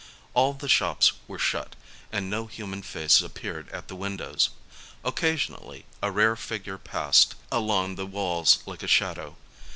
All the shops were shut and no human face ap peared at the windows. Occasionally a rare figure passed along the walls like a shadow.